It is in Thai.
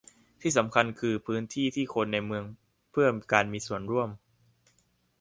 ที่สำคัญคือพื้นที่ที่คนในเมืองเพื่อการมีส่วนร่วม